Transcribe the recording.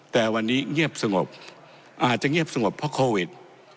แต่วันนี้เงียบสงบอาจจะเงียบสงบเพราะโควิด